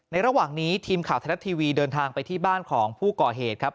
ระหว่างนี้ทีมข่าวไทยรัฐทีวีเดินทางไปที่บ้านของผู้ก่อเหตุครับ